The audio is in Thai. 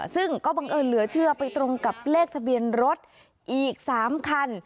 ซึ่งก็บังเอิญเหลือเชื่อไปตรงกับเลขทะเบียนรถอีก๓คัน